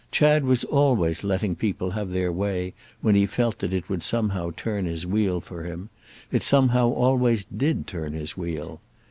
Chad was always letting people have their way when he felt that it would somehow turn his wheel for him; it somehow always did turn his wheel.